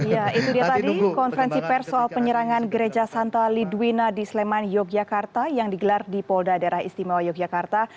ya itu dia tadi konferensi pers soal penyerangan gereja santa lidwina di sleman yogyakarta yang digelar di polda daerah istimewa yogyakarta